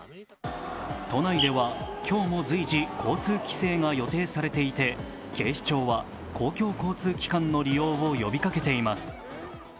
都内では今日も随時交通規制が予定されていて、警視庁は公共交通機関の利用を呼びかけています。